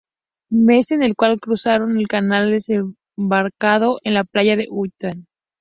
Mes en el cual cruzan el canal desembarcando en la playa de Utah.